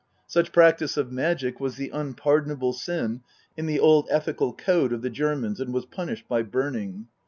Such practice of magic was the unpardonable sin in the old ethical code of the Germans, and was punished by burning.